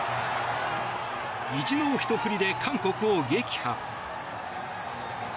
意地のひと振りで韓国を撃破。